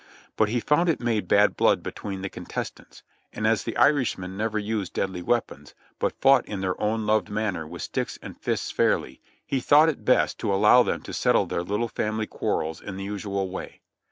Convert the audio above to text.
But he found it made bad blood between the contestants; and as the Irishmen never used deadly weapons, but fought in their own loved manner with sticks and fists fairly, he thought it best to allow them to settle their little family quarrels in the usual way.